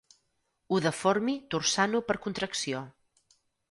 Ho deformi torçant-ho per contracció.